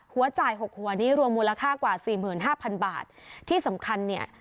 หัวจ่ายหกหัวนี้รวมมูลค่ากว่าสี่หมื่นห้าพันบาทที่สำคัญเนี่ย